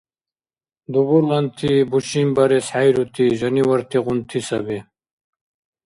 Дубурланти бушинбарес хӀейрути жанивартигъунти саби.